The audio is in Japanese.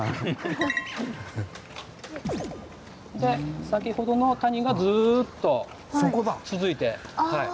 先ほどの谷がずっと続いて。